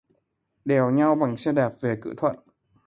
Đèo nhau bằng xe đạp về Cửa Thuận